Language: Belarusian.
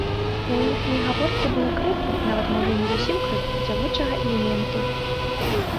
У іхняй гаворцы было крыху, нават можа і не зусім крыху, дзявочага элементу.